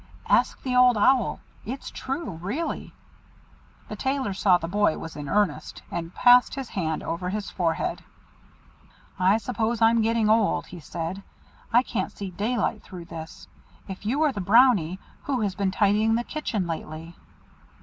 "Ask the Old Owl. It's true, really." The Tailor saw the boy was in earnest, and passed his hand over his forehead. "I suppose I'm getting old," he said; "I can't see daylight through this. If you are the Brownie, who has been tidying the kitchen lately?"